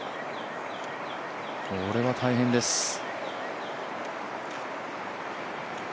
これは大変です。